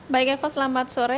baik evo selamat sore